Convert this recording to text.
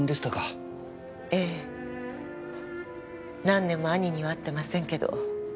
何年も兄には会ってませんけど。